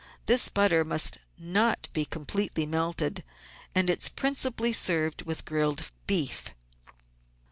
This butter must not be completely melted, and it is prin cipally served with grilled beef.